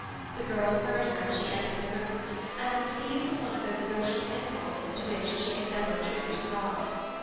The girl heard her as she entered the room, and was seized with one of those emotional impulses to which she could never attribute a cause.